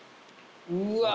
うわ。